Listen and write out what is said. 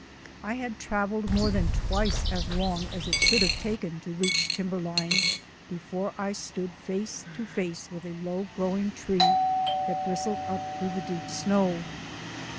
I had travelled more than twice as long as it should have taken to reach timberline before I stood face to face with a low growing tree that bristled up through the deep snow.